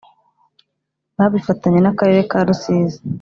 Babifatanye n akarere ka rusizi